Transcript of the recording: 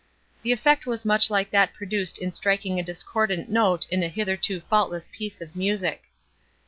The effect was much like that produced in striking a discordant note in a hitherto faultless piece of music.